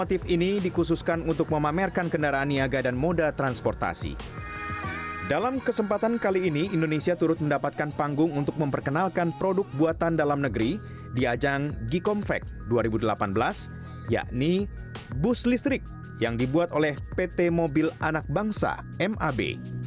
ini bus listrik yang dibuat oleh pt mobil anak bangsa mab